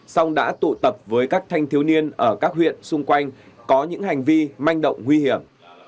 song đã tụ tập với các thanh thiếu niên ở các huyện xung quanh có những hành vi manh động nguy hiểm